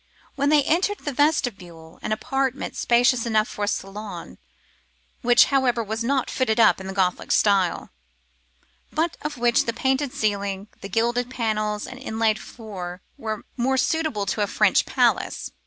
Then they entered the vestibule, an apartment spacious enough for a salon; which, however, was not fitted up in the Gothic style, but of which the painted ceiling, the gilded panels, and inlaid floor were more suitable to a French palace.